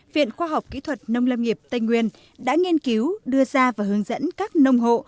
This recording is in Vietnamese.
viện khoa học kỹ thuật nông lâm nghiệp tây nguyên đã nghiên cứu đưa ra và hướng dẫn các nông hộ